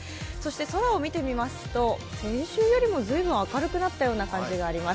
空を見てみますと先週よりも随分明るくなった印象があります。